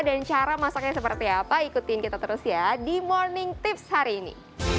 dan cara masaknya seperti apa ikuti kita terus ya di morning tips hari ini